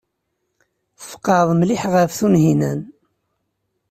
Tfeqɛeḍ mliḥ ɣef Tunhinan.